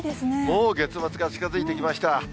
もう月末が近づいてきました。